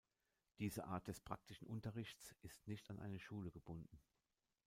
Diese Art des praktischen Unterrichts ist nicht an eine Schule gebunden.